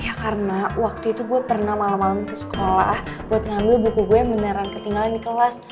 ya karena waktu itu gue pernah malam malam ke sekolah buat ngangguh buku gue yang beneran ketinggalan di kelas